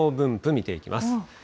見ていきます。